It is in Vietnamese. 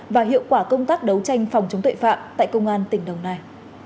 và hiệu quả công tác đấu tranh phòng chống tội phạm tại công an tỉnh đồng nai